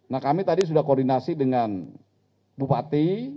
nah kami tadi sudah koordinasi dengan bupati